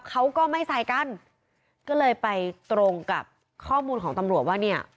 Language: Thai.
เขาก็ไม่ใส่กันก็เลยไปตรงกับข้อมูลของตำรวจว่าเนี่ย